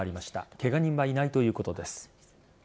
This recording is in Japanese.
ケガ人はいないということです。